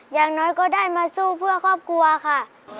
อย่างน้อยก็ได้มาสู้เพื่อครอบครัวค่ะ